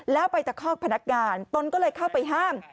แล้วไปตะคอกพนักงานตนก็เลยเข้าไปห้าม